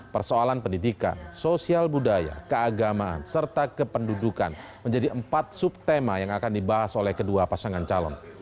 persoalan pendidikan sosial budaya keagamaan serta kependudukan menjadi empat subtema yang akan dibahas oleh kedua pasangan calon